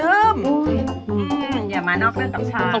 อย่ามานอกเรื่องกับฉัน